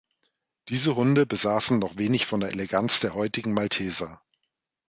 Diese Hunde besaßen noch wenig von der Eleganz der heutigen Malteser.